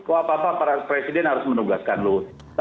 kok apa apa para presiden harus menugaskan luhut